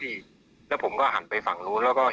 มีสีดร้อยหมดใกล้ไม่ทิ้งและบางคนก็ไม่อะไร